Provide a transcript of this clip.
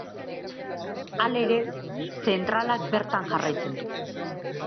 Halere, zentralak bertan jarraitzen du.